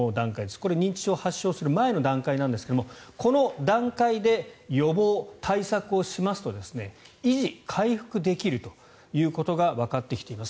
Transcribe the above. これ、認知症を発症する前の段階ですがこの段階で予防・対策をしますと維持・回復できるということがわかってきています。